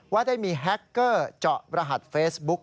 ว่าได้มีแฮคเกอร์เจาะรหัสเฟซบุ๊ค